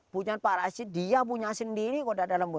punya pak rashid dia punya sendiri kok tak ada lampu